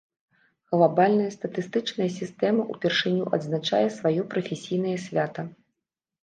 Глабальная статыстычная сістэма ўпершыню адзначае сваё прафесійнае свята.